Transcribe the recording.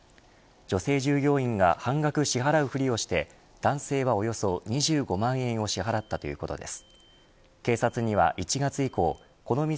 女性従業員が半額支払うふりをして男性はおよそ２５万円を支払ったということです。